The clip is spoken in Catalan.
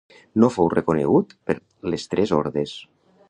No fou reconegut per les tres hordes.